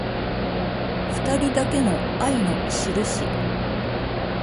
ふたりだけの愛のしるし